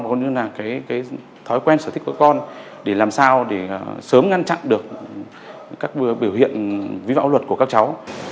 cũng như là cái thói quen sở thích của con để làm sao để sớm ngăn chặn được các biểu hiện vi phạm luật của các cháu